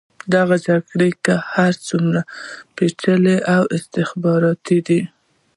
دغه جګړه که هر څومره پېچلې او استخباراتي ده.